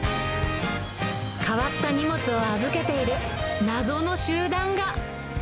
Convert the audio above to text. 変わった荷物を預けている謎の集団が。